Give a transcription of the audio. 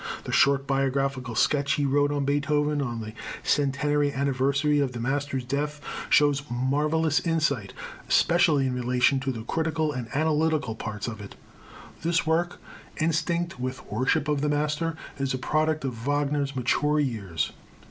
The short biographical sketch he wrote on Beethoven on the centenary anniversary of the master's birth, shows marvellous insight, especially in relation to the critical and analytical parts of it. This work, instinct with worship of the master, is a product of Wagner's mature years.